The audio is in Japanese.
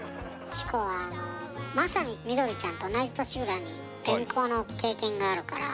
チコはあのまさにミドリちゃんと同じ年ぐらいに転校の経験があるから。